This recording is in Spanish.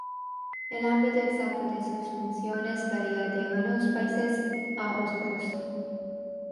El ámbito exacto de sus funciones varía de unos países a otros.